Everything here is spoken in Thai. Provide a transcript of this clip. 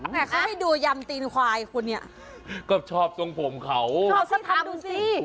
แต่เขาให้ดูยำตีนควายคุณเนี่ยก็ชอบทรงผมเขาชอบสักพักดูสิ